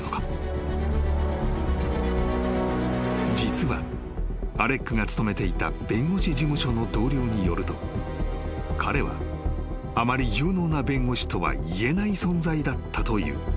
［実はアレックが勤めていた弁護士事務所の同僚によると彼はあまり有能な弁護士とは言えない存在だったという］